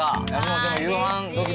もうでも夕飯時です。